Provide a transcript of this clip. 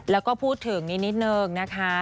แล้วก็พูดถึงนิดนึงนะคะ